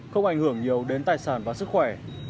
không ảnh hưởng nhiều đến tài sản và sức khỏe